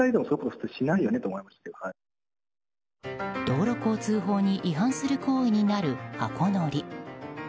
道路交通法に違反する行為になる箱乗り。